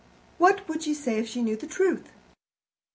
What would she say if she knew the truth?"